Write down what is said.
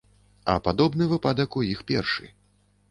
А падобны выпадак у іх першы.